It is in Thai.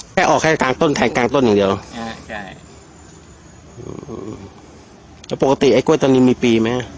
แค่ออกแค่กลางต้นแทงกลางต้นอย่างเดียวใช่ใช่แล้วปกติไอ้กล้วยต้นนี้มีปีไหม